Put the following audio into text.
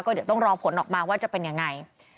เดี๋ยวต้องรอผลออกมาว่าจะเป็นยังไง